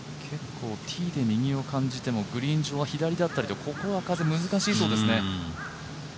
ティーで右を感じてもグリーン上は左だったりとここは風が難しいそうですね。